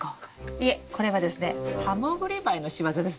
いえこれはですねハモグリバエの仕業ですね。